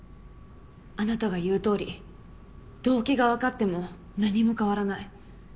あなたが言う通り動機がわかっても何も変わらない。